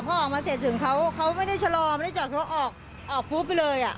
อ๋อเพราะออกมาเสร็จถึงเขาเขาไม่ได้ชะลอไม่ได้จอดเขาออกออกฟุตไปเลยอ่ะ